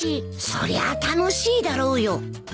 そりゃ楽しいだろうよ